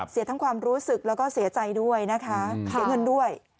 เสียทั้งความรู้สึกแล้วก็เสียใจด้วยนะคะเสียเงินด้วย